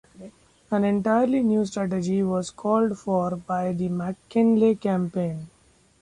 An entirely new strategy was called for by the McKinley campaign.